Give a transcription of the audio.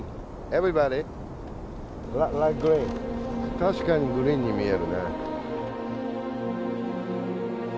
確かにグリーンに見えるね。